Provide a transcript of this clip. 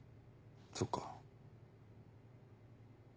そっか。